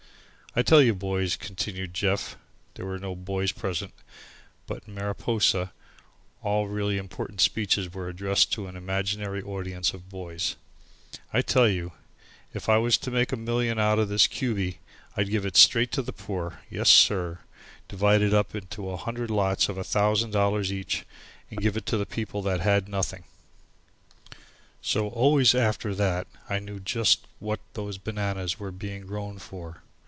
"I tell you, boys," continued Jeff (there were no boys present, but in Mariposa all really important speeches are addressed to an imaginary audience of boys) "I tell you, if I was to make a million out of this Cubey, I'd give it straight to the poor, yes, sir divide it up into a hundred lots of a thousand dollars each and give it to the people that hadn't nothing." So always after that I knew just what those bananas were being grown for.